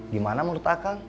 gimana menurut a kang